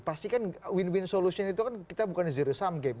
pasti kan win win solution itu kan kita bukan zero sum game